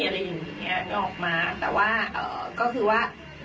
ไม่ออกมาแต่ว่าก็คือว่า